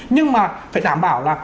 nhưng mà phải đảm bảo là